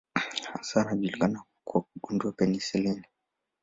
Hasa anajulikana kwa kugundua penisilini.